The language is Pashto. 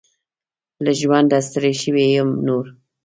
له ژونده ستړي شوي يم نور .